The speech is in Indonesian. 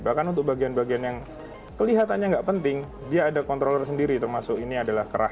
bahkan untuk bagian bagian yang kelihatannya nggak penting dia ada kontrol sendiri termasuk ini adalah kerah